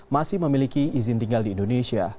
masih memiliki izin tinggal di indonesia